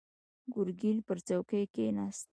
ګرګين پر څوکۍ کېناست.